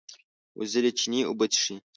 وزې له چینې اوبه څښي